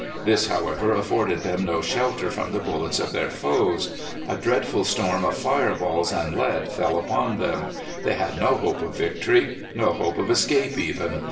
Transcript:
This, however, afforded them no shelter from the bullets of their foes. A dreadful storm of fire balls and lead fell upon them. They had no hope of victory no hope of escape even.